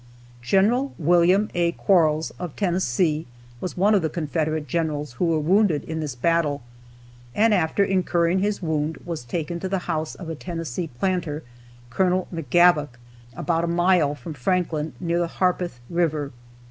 General William A. Quarles, of Tennessee, was one of the Confederate generals who were wounded in this battle, and after incurring his wound was taken to the house of a Tennessee planter, Col. McGavock, about a mile from Franklin, near the Harpeth river.